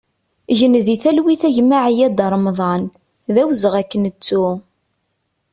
Gen di talwit a gma Ayad Remḍan, d awezɣi ad k-nettu!